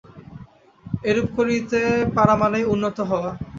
এরূপ করিতে পারা মানেই উন্নত হওয়া।